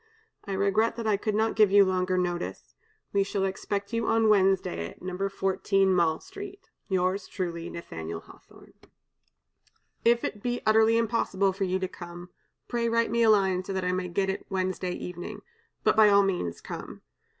I regret that I could not give you longer notice. We shall expect you on Wednesday at No. 14 Mall Street. "Yours truly, "NATH^L HAWTHORNE. "If it be utterly impossible for you to come, pray write me a line so that I may get it Wednesday evening. But by all means come.